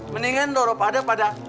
mendingan dorong pada pada